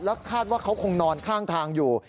คาดว่าเขาคงนอนข้างทางอยู่